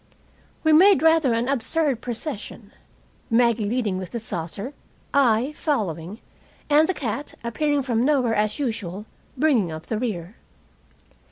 We made rather an absurd procession, Maggie leading with the saucer, I following, and the cat, appearing from nowhere as usual, bringing up the rear.